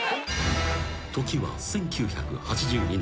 ［時は１９８２年］